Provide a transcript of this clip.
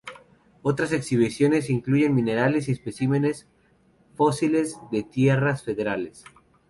Otras exhibiciones incluyen minerales y especímenes fósiles de tierras federales.